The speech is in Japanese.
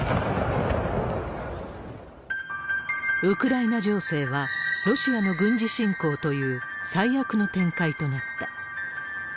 ウクライナ情勢は、ロシアの軍事侵攻という最悪の展開となった。